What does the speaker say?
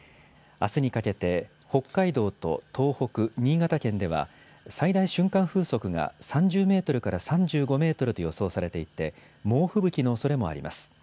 あすにかけて北海道と東北、新潟県では、最大瞬間風速が３０メートルから３５メートルと予想されていて、猛吹雪のおそれもあります。